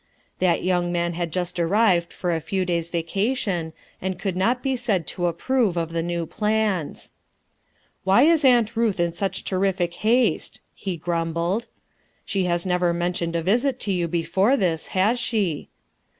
.That young man had just arrived for a few days' vacation and could not be said to approve of the new plans, "Why is Aunt Ruth in such tcrri6e haste?" he grumbled. " She has never mentioned a visit to you before this, has she?"